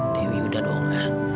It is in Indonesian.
dewi udah dong